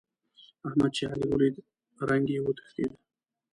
احمد چې علي وليد؛ رنګ يې وتښتېد.